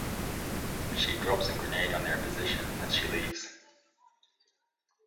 She drops a grenade on their position as she leaves.